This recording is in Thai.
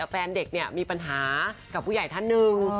แฟนเด็กเนี่ยมีปัญหากับผู้ใหญ่ท่านหนึ่ง